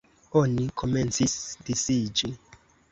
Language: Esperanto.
Oni komencis disiĝi.